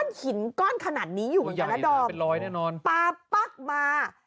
ก้นหญิงก้อนขนาดนี้อยู่อยู่แล้วดอมเป็นร้อยแน่นอนปะปั๊กมา